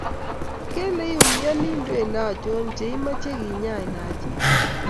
Kele iumnyoni ndwele anchon che imeche kenyain Haji.